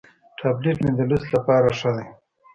ټابلیټ مې د لوست لپاره ښه دی.